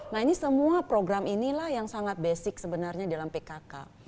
nah ini semua program inilah yang sangat basic sebenarnya dalam pkk